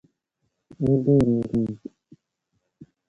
اُو دُو رن٘گاں تُھو۔